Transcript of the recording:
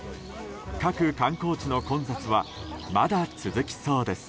各観光地の混雑はまだ続きそうです。